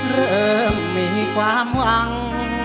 เริ่มมีความหวัง